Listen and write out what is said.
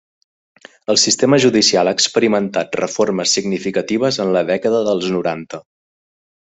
El sistema judicial ha experimentat reformes significatives en la dècada dels noranta.